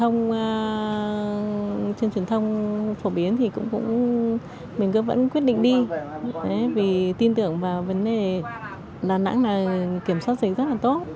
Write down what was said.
nghe truyền thông phổ biến thì cũng mình vẫn quyết định đi vì tin tưởng vào vấn đề đà nẵng là kiểm soát dịch rất là tốt